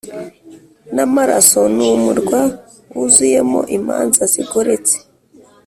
namaraso numurwa wuzuyemo imanza zigoretse